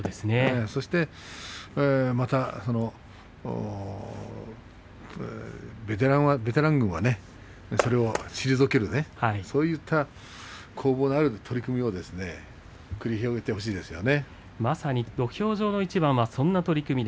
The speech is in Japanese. そして、またベテランはそれを退けると、そういった攻防のある取組を繰り広げてほしいですね。